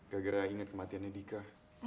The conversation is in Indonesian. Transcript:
gak gara gara ingat kematiannya dika